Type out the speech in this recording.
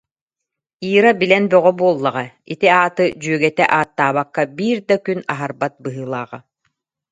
Ира билэн бөҕө буоллаҕа, ити ааты дьүөгэтэ ааттаабакка биир да күн аһарбат быһыылааҕа